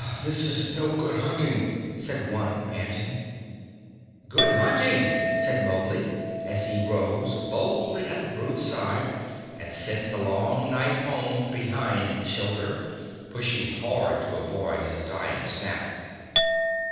"This is no good hunting," said one, panting. "Good hunting!" said Mowgli, as he rose boldly at the brute's side, and sent the long knife home behind the shoulder, pushing hard to avoid his dying snap.